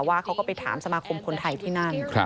ว่าเขาก็ไปถามสมาคมคนไทยที่นั่น